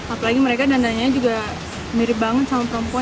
apalagi mereka dandanya juga mirip banget sama perempuan